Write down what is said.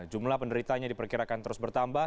jumlah penderitanya diperkirakan terus bertambah